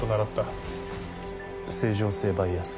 正常性バイアス。